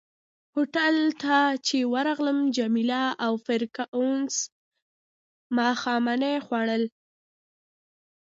هوټل ته چي ورغلم جميله او فرګوسن ماښامنۍ خوړل.